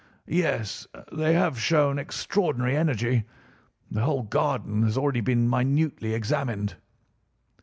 "Yes, they have shown extraordinary energy. The whole garden has already been minutely examined."